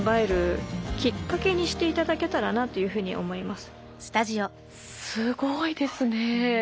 すごいですね。